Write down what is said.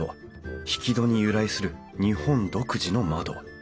引き戸に由来する日本独自の窓。